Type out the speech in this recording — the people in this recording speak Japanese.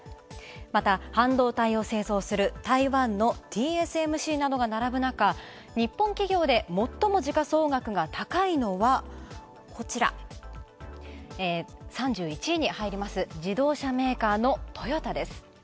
また、半導体を製造する台湾のＴＳＭＣなどが並ぶ中、日本企業で最も時価総額が高いのは３１位に入ります、自動車メーカーのトヨタです。